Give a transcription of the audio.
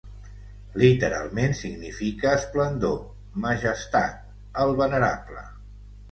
Literalment significa esplendor, majestat, el venerable.